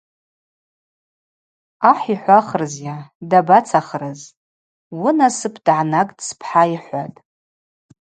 Ахӏ йхӏвахрызйа, дабацахрыз: Уынасып дгӏанагтӏ спхӏа, – йхӏватӏ.